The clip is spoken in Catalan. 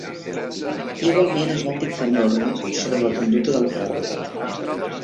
Igualment es van dictar normes sobre la conducta del clergat.